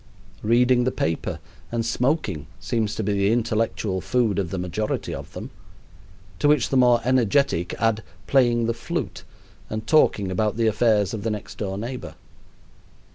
Reading the paper and smoking seems to be the intellectual food of the majority of them, to which the more energetic add playing the flute and talking about the affairs of the next door neighbor.